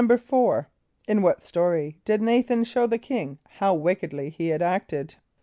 = =4.= In what story did N[=a]´than show the king how wickedly he had acted?